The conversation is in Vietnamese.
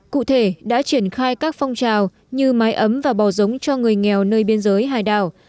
cụ thể đã triển khai các phong trào như mái ấm và bò giống cho người nghèo nơi biên giới hải đảo